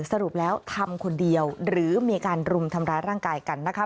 สรุปแล้วทำคนเดียวหรือมีการรุมทำร้ายร่างกายกันนะคะ